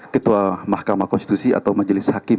ketua mahkamah konstitusi atau majelis hakim